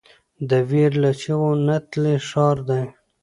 د ویر له چیغو نتلی ښار دی